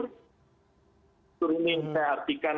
tontur ini saya artikan